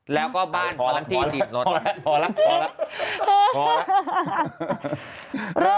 และบ้านตอนที่จิดรถแล้วพอแล้วพอแล้วพอแล้ว